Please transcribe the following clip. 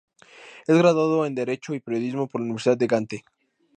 Es graduado en Derecho y Periodismo por la Universidad de Gante.